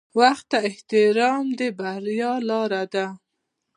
• وخت ته احترام د بریا لاره ده.